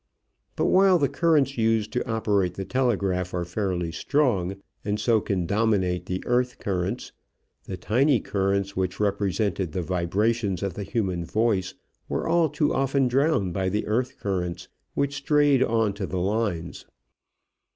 But while the currents used to operate the telegraph are fairly strong and so can dominate the earth currents, the tiny currents which represented the vibrations of the human voice were all too often drowned by the earth currents which strayed on to the lines.